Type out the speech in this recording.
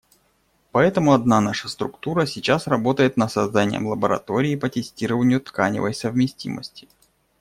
Поэтому одна наша структура сейчас работает над созданием лаборатории по тестированию тканевой совместимости.